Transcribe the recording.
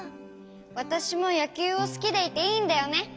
わたしもやきゅうをすきでいていいんだよね。